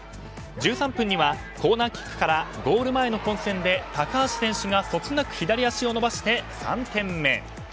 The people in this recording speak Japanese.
１３分にはコーナーキックからゴール前の混戦で高橋選手がそつなく左足を伸ばして３点目。